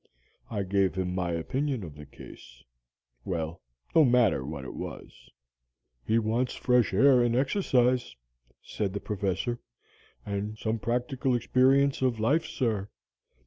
I gave him my opinion of the case, well, no matter what it was. "'He wants fresh air and exercise,' said the Professor, 'and some practical experience of life, sir?'